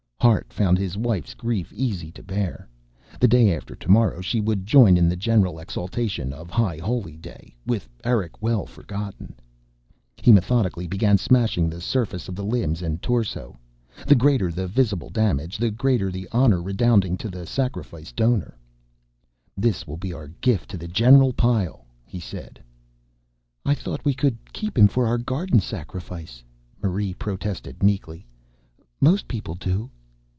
Hart found his wife's grief easy to bear. The day after tomorrow she would join in the general exultation of High Holy Day, with Eric well forgotten. He methodically began smashing the surface of the limbs and torso; the greater the visible damage, the greater the honor redounding to the sacrifice donor. "This will be our gift to the general pile," he said. "I thought we could keep him for our garden sacrifice," Marie protested meekly. "Most people do."